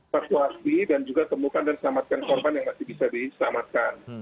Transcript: evakuasi dan juga temukan dan selamatkan korban yang masih bisa diselamatkan